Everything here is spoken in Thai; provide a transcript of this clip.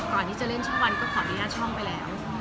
ก่อนที่จะเล่นช่องวันก็ขออนุญาตช่องไปแล้ว